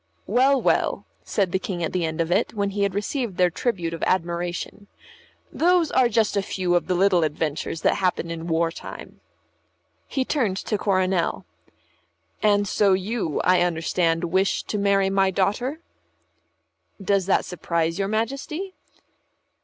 "Well, well," said the King at the end of it, when he had received their tribute of admiration. "Those are just a few of the little adventures that happen in war time." He turned to Coronel. "And so you, I understand, wish to marry my daughter?" "Does that surprise your Majesty?"